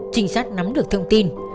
trình soát nắm được thông tin